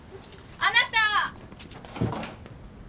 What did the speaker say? あなた。